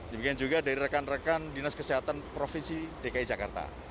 demikian juga dari rekan rekan dinas kesehatan provinsi dki jakarta